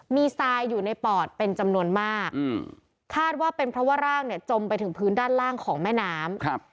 มีทรายอยู่ในปอดเป็นจำนวนมากคาดว่าเป็นเพราะว่าร่างเนี่ยจมไปถึงพื้นด้านล่างของแม่น้ำ